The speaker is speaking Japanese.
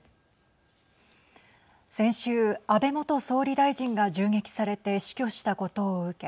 先週、安倍元総理大臣が銃撃されて死去したことを受け